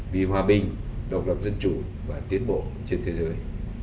vì hòa bình độc lập dân chủ và tiến bộ trên thế giới